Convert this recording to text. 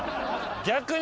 逆に。